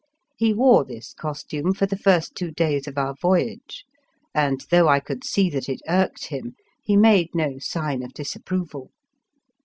He wore this costume for the first two days of our voyage, and, though I could see that it irked him, he made no sign of disapproval.